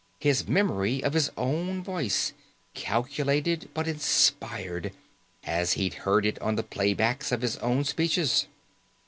His memory of his own voice, calculated but inspired, as he'd heard it on play backs of his own speeches.